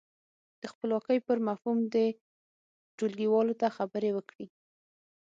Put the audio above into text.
د خپلواکۍ پر مفهوم دې ټولګیوالو ته خبرې وکړي.